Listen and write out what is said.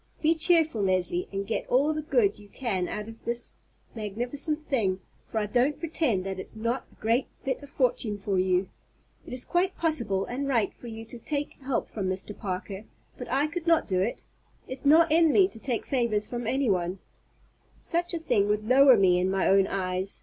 Be cheerful, Leslie, and get all the good you can out of this magnificent thing, for I don't pretend that it's not a great bit of fortune for you. It is quite possible and right for you to take help from Mr. Parker; but I could not do it. It's not in me to take favors from anyone. Such a thing would lower me in my own eyes.